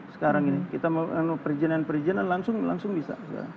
sekarang ini kita melakukan perizinan perizinan langsung bisa